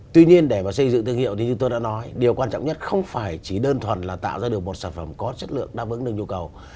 tuy nhiên để mà xây dựng thương hiệu thì như tôi đã nói điều quan trọng nhất không phải chỉ đơn thuần là tạo ra được một sản phẩm có chất lượng đáp ứng được nhu cầu